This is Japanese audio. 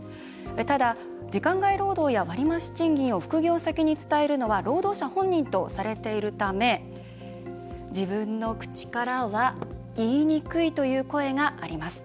ただ、時間外労働や割増賃金を副業先に伝えるのは労働者本人とされているため自分の口からは言いにくいという声があります。